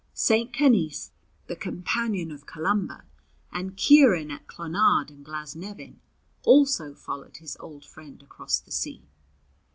St. Canice, the companion of Columba and Ciaran at Clonard and Glasnevin, also followed his old friend across the sea.